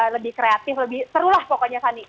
lebih kreatif lebih seru lah pokoknya fanny